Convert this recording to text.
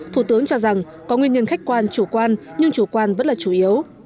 thủ tướng cho rằng có nguyên nhân khách quan chủ quan nhưng chủ quan vẫn là chủ yếu